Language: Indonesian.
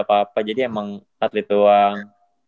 apa apa jadi emang atlet doang